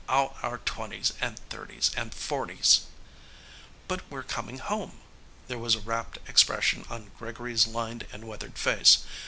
"All our twenties and thirties and forties ..." "But we were coming home." There was a rapt expression on Gregory's lined and weathered face.